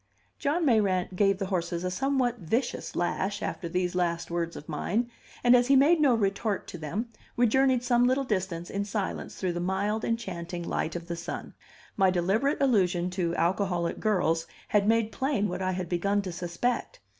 John Mayrant gave the horses a somewhat vicious lash after these last words of mine; and, as he made no retort to them, we journeyed some little distance in silence through the mild, enchanting light of the sun. My deliberate allusion to alcoholic girls had made plain what I had begun to suspect.